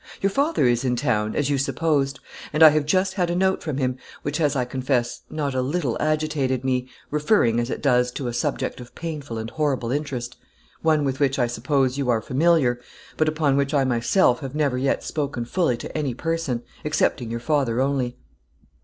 Your father is in town, as you supposed; and I have just had a note from him, which has, I confess, not a little agitated me, referring, as it does, to a subject of painful and horrible interest; one with which, I suppose, you are familiar, but upon which I myself have never yet spoken fully to any person, excepting your father only."